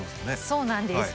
そうなんです。